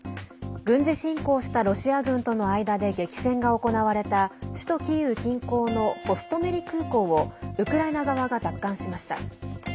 軍事侵攻したロシア軍との間で激戦が行われた首都キーウ近郊のホストメリ空港をウクライナ側が奪還しました。